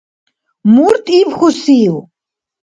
Мурт ибхьусив?